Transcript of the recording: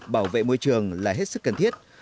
bảo vệ môi trường là hết sức cần thiết